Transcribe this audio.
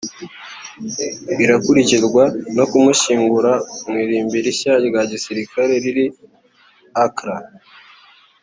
irakurikirwa no kumushyingura mu irimbi rishya rya gisirikare riri Accra